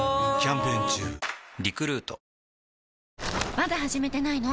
まだ始めてないの？